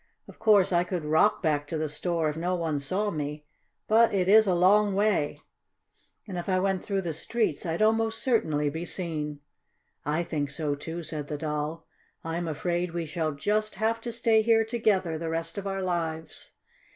"Of course I could rock back to the store if no one saw me, but it is a long way, and if I went through the streets I'd almost certainly be seen." "I think so, too," said the Doll. "I'm afraid we shall just have to stay here together the rest of our lives."